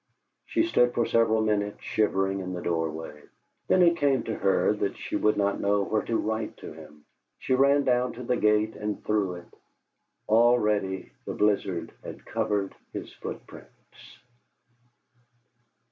She stood for several minutes shivering in the doorway. Then it came to her that she would not know where to write to him. She ran down to the gate and through it. Already the blizzard had covered his footprints.